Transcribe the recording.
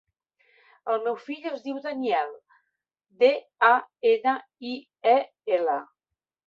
El meu fill es diu Daniel: de, a, ena, i, e, ela.